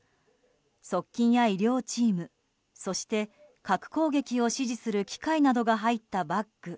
側近や医療チームそして、核攻撃を指示する機械などが入ったバッグ